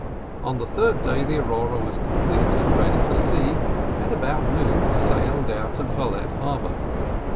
On the third day the Aurora was complete and ready for sea, and about noon sailed out of Valette harbour.